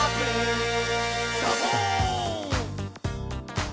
「サボーン！」